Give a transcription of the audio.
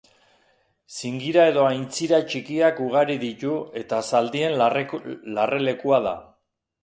Zingira edo aintzira txikiak ugari ditu eta zaldien larrelekua da.